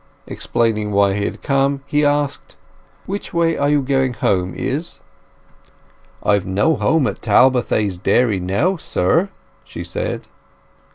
Explaining why he had come, he asked, "Which way are you going home, Izz?" "I have no home at Talbothays Dairy now, sir," she said.